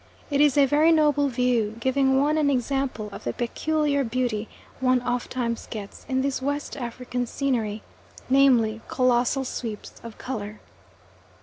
It is a very noble view, giving one an example of the peculiar beauty one oft times gets in this West African scenery, namely colossal sweeps of colour.